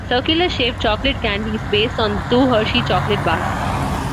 Circular-shaped chocolate candies based on two Hershey chocolate bars.